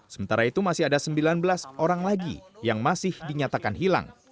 sementara itu masih ada sembilan belas orang lagi yang masih dinyatakan hilang